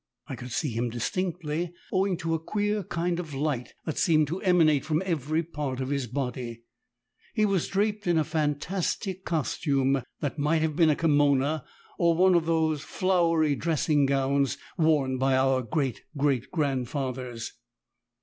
I could see him distinctly, owing to a queer kind of light that seemed to emanate from every part of his body. He was draped in a phantastic costume that might have been a kimono or one of those flowery dressing gowns worn by our great great grandfathers.